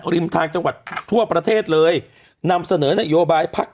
ริมทางจังหวัดทั่วประเทศเลยนำเสนอนโยบายพัก